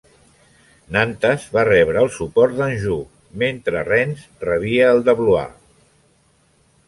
Nantes va rebre el suport d'Anjou mentre Rennes rebia el de Blois.